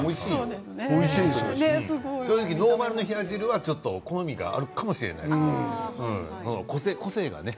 正直、ノーマルの冷や汁は好みがあるかもしれない個性がね